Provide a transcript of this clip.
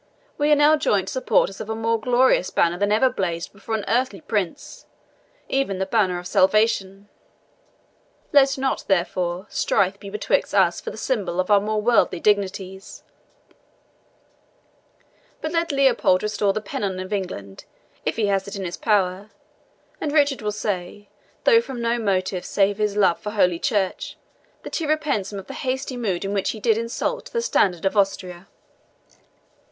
We are now joint supporters of a more glorious banner than ever blazed before an earthly prince, even the Banner of Salvation. Let not, therefore, strife be betwixt us for the symbol of our more worldly dignities; but let Leopold restore the pennon of England, if he has it in his power, and Richard will say, though from no motive save his love for Holy Church, that he repents him of the hasty mood in which he did insult the standard of Austria."